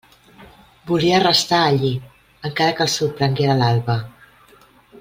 Volia restar allí, encara que el sorprenguera l'alba.